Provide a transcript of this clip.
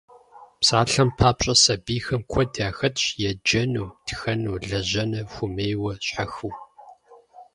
Псалъэм папщӀэ, сабийхэм куэд яхэтщ еджэну, тхэну, лэжьэну хуэмейуэ, щхьэхыу.